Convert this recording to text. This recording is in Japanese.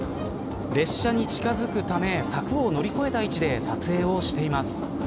列車に近づくため柵を乗り越えた位置で撮影をしています。